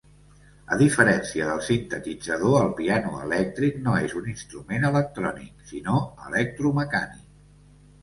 A diferència del sintetitzador, el piano elèctric no és un instrument electrònic, sinó electromecànic.